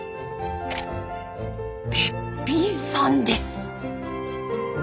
べっぴんさんです。